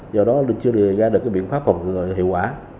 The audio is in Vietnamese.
do đó chưa được ra được biện pháp phục hiệu quả